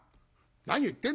「何言ってんだ